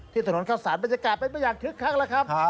ที่ถนนเข้าสรรค์บรรยากาศเป็นอย่างทึกครั้งแล้วครับ